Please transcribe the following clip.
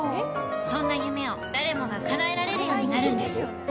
そんな夢を誰もがかなえられるようになるんです。